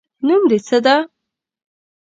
نوم دې څه ده؟